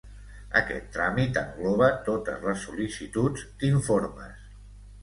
Aquest tràmit engloba totes les sol·licituds d'informes.